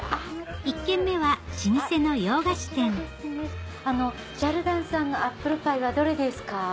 １軒目は老舗の洋菓子店ジャルダンさんのアップルパイはどれですか？